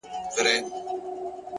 اخلاص د عمل ارزښت لوړوي,